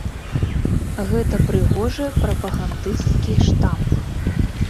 Гэта прыгожы прапагандысцкі штамп.